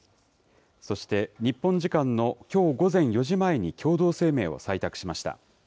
そして日本時間のきょう午前４時前に共同声明を採択しました。